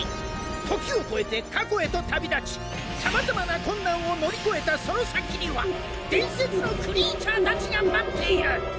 時を超えて過去へと旅立ちさまざまな困難を乗り越えたその先には伝説のクリーチャーたちが待っている。